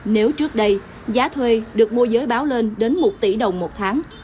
nếu trước đây giá thuê được mua giới báo lên đến một tỷ đồng một tháng